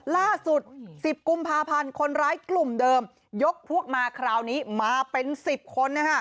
ล่าสุด๑๐กุมภาพันธ์คนร้ายกลุ่มเดิมยกพวกมาคราวนี้มาเป็น๑๐คน